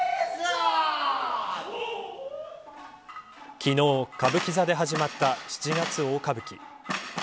昨日、歌舞伎座で始まった七月大歌舞伎。